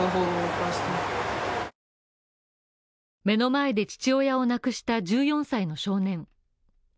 目の前で父親を亡くした１４歳の少年。